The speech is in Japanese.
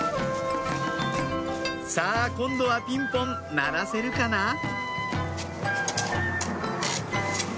さぁ今度はピンポン鳴らせるかな？